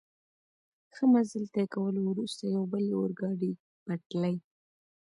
ښه مزل طی کولو وروسته، یوې بلې اورګاډي پټلۍ.